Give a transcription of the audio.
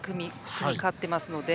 組み勝っていますので。